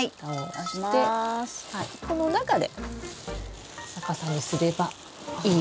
この中で逆さにすればいい。